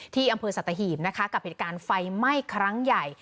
ที่อำเภอสัตหีบนะคะกับเหตุการณ์ไฟไหม้ครั้งใหญ่